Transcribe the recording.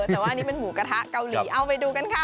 แต่ว่าอันนี้เป็นหมูกระทะเกาหลีเอาไปดูกันค่ะ